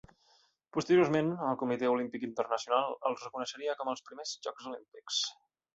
Posteriorment, el Comitè Olímpic Internacional els reconeixeria com els Primers Jocs Olímpics.